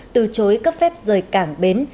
từ chối cấp phép rời cảng bến